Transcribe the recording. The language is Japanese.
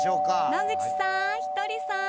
野口さんひとりさん！